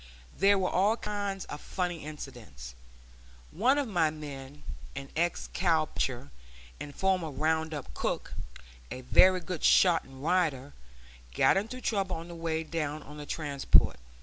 There were all kinds of funny incidents. One of my men, an ex cow puncher and former round up cook, a very good shot and rider, got into trouble on the way down on the transport.